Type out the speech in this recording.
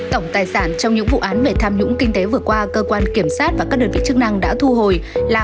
tổng tài sản trong những vụ án về tham nhũng kinh tế vừa qua cơ quan kiểm sát và các đơn vị chức năng đã thu hồi là